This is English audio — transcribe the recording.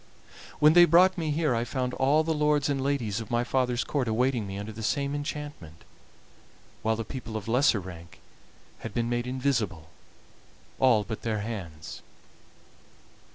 When they brought me here I found all the lords and ladies of my father's court awaiting me under the same enchantment, while the people of lesser rank had been made invisible, all but their hands.